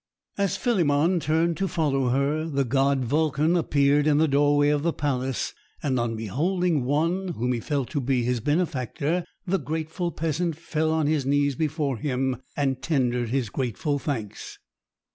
As Philemon turned to follow her, the god Vulcan appeared in the doorway of the palace; and on beholding one whom he felt to be his benefactor, the grateful peasant fell on his knees before him and tendered his grateful thanks.